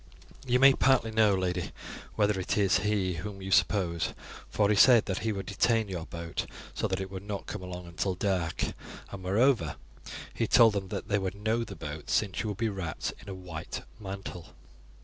"You may partly know, lady, whether it is he whom you suppose, for he said that he would detain your boat so that it should not come along until dark, and, moreover, he told them that they would know the boat since you would be wrapt in a white mantle."